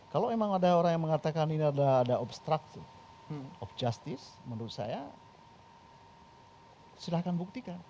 kalau memang ada orang yang mengatakan ini ada obstruction of justice menurut saya silahkan buktikan